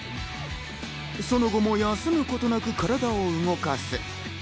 その後も休むことなく体を動かす。